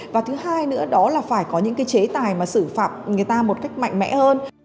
và thứ hai nữa là phải có những chế tài mà xử phạm người ta một cách mạnh mẽ hơn